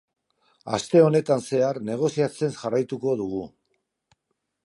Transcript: Aste honetan zehar, negoziatzen jarraituko dugu.